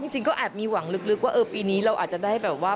จริงก็แอบมีหวังลึกว่าปีนี้เราอาจจะได้แบบว่า